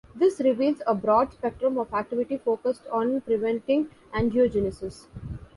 This reveals a broad spectrum of activity focused on preventing angiogenesis.